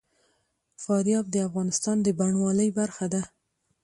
فاریاب د افغانستان د بڼوالۍ برخه ده.